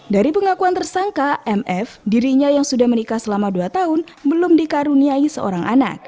dari pengakuan tersangka mf dirinya yang sudah menikah selama dua tahun belum dikaruniai seorang anak